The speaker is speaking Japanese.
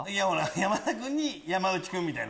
山田君に山内君みたいな。